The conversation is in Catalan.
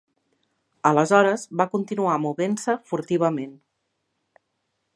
Aleshores va continuar movent-se furtivament.